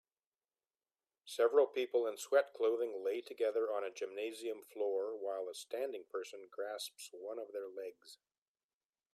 Several people in sweat clothing lay together on a gymnasium floor while a standing person grasps one of their legs